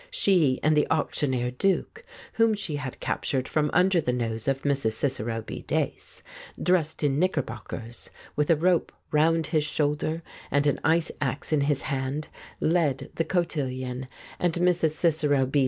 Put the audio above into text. She and the auctioneer Duke — whom she had captured from under the nose of Mrs. Cicero B. Dace — dressed in knickerbockers, with a rope round his shoulder and an ice axe in his hand, led the cotillion, and Mrs. Cicero B.